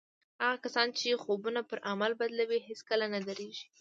هغه کسان چې خوبونه پر عمل بدلوي هېڅکله نه درېږي.